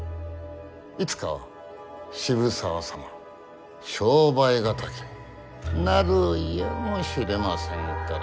いつかは渋沢様は商売敵になるやもしれませぬから。